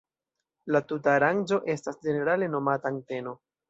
La tuta aranĝo estas ĝenerale nomata anteno.